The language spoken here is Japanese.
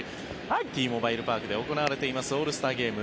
Ｔモバイル・パークで行われていますオールスターゲーム。